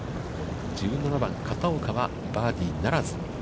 １７番、片岡はバーディーならず。